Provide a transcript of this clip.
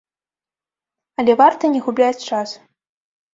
Але варта не губляць час.